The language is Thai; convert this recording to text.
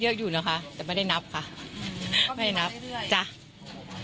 ก็ได้เยอะอยู่นะคะแต่ไม่ได้นับค่ะไม่ได้นับไม่ได้มาเรื่อยเรื่อย